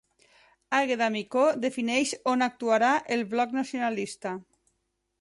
Àgueda Micó defineix on actuarà el Bloc Nacionalista